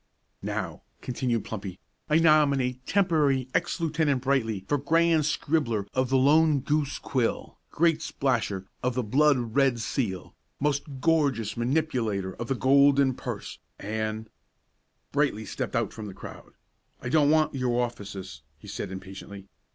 "Now," continued Plumpy, "I nominate Temporary Ex Lieutenant Brightly for Grand Scribbler of the Lone Goose Quill, Great Splasher of the Blood red Seal, Most Gorgeous Manipulator of the Golden Purse, and " Brightly stepped out from the crowd. "I don't want your offices," he said impatiently.